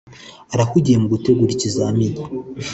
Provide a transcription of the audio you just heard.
Arahugiye mu gutegura ikizamini.